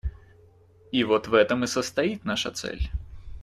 И вот в этом и состоит наша цель.